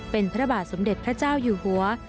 เป็นพระบาทสมเด็จพระเจ้าอยู่หัว